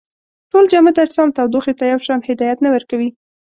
ټول جامد اجسام تودوخې ته یو شان هدایت نه ورکوي.